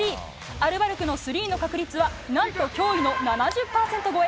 アルバルクのスリーの確率は何と驚異の７０％超え。